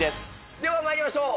ではまいりましょう。